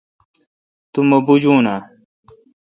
تو مہ بوجو اؘ۔